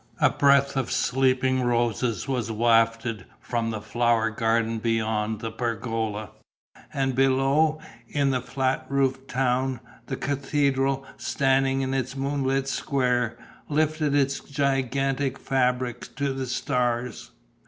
A breath of sleeping roses was wafted from the flower garden beyond the pergola; and below, in the flat roofed town, the cathedral, standing in its moonlit square, lifted its gigantic fabric to the stars.